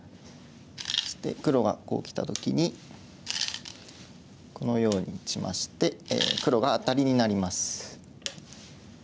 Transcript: そして黒がこうきた時にこのように打ちまして黒がアタリになります。